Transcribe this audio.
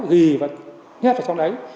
gì và nhét vào trong đấy